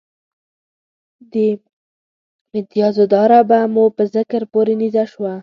د متیازو داره به مو په ذکر پورې نیزه شوه.